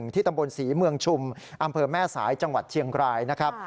ตำบลศรีเมืองชุมอำเภอแม่สายจังหวัดเชียงรายนะครับ